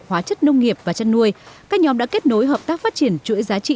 hóa chất nông nghiệp và chất nuôi các nhóm đã kết nối hợp tác phát triển chuỗi giá trị